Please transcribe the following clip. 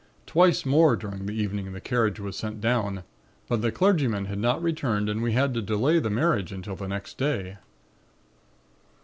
Twice more during the evening the carriage was sent down, but the clergyman had not returned and we had to delay the marriage until the next day.